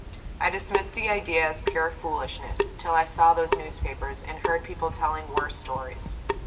I dismissed the idea as pure foolishness, till I saw those newspapers, and heard people telling worse stories.